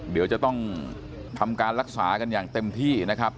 เดี๋ยวจะต้องทำการรักษากันอย่างเต็มที่นะครับ